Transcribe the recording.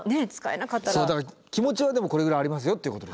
そうだから気持ちはでもこれぐらいありますよっていうことです。